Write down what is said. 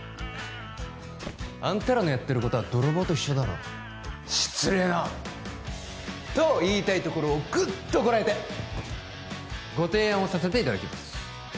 あんたらのやってることは泥棒と一緒だろ失礼な！と言いたいところをグッとこらえてご提案をさせていただきます